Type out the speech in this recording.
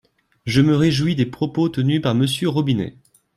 Je me réjouis des propos tenus par Monsieur Robinet.